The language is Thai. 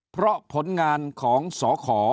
เพราะผลงานของสข